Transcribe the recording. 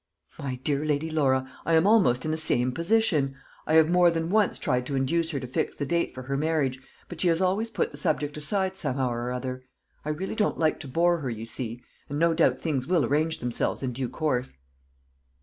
"My dear Lady Laura, I am almost in the same position. I have more than once tried to induce her to fix the date for her marriage, but she has always put the subject aside somehow or other. I really don't like to bore her, you see; and no doubt things will arrange themselves in due course."